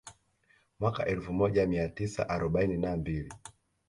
Mwaka elfu moja mia tisa arobaini na mbili